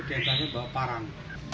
dia bawa parang